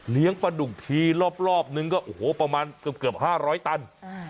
เลี้ยงปลาดุกทีรอบนึงก็โอ้โหประมาณเกือบห้าร้อยตัน